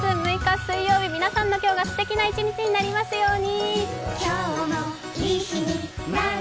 水曜日皆さんの一日がすてきな一日になりますように！